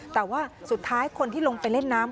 แต่ว่าสุดท้ายคนที่ลงไปเล่นน้ำ